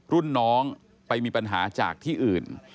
รุ่นน้องไปมีปัญหาจากที่อื่น